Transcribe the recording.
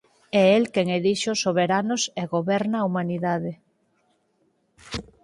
É el quen elixe os soberanos e goberna á humanidade.